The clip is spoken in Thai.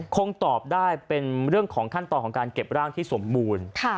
คงตอบได้เป็นเรื่องของขั้นตอนของการเก็บร่างที่สมบูรณ์